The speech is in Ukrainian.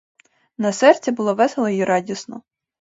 На серці було весело й радісно.